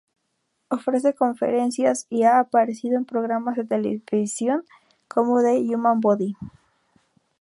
Ofrece conferencias y ha aparecido en programas de televisión como The Human Body.